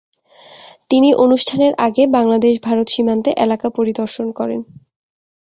তিনি অনুষ্ঠানের আগে বাংলাদেশ ভারত সীমান্ত এলাকা পরিদর্শন করেন।